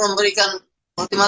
setiap hari ada